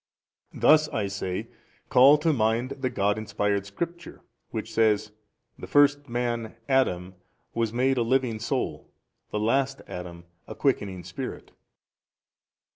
A. Thus I say: call to mind the God inspired Scripture which says, The first man Adam was made a living soul, the last Adam a quickening spirit.